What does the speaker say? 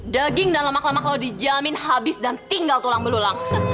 daging dan lemak lemak lalu dijamin habis dan tinggal tulang berulang